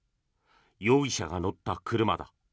容疑者が乗った車だ。